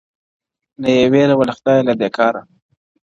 نه یې وېره وه له خدایه له دې کاره.!